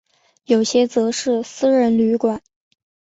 有些则是私人旅馆。